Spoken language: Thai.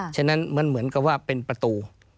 ฉะนั้นมันเหมือนกับว่าเป็นประตู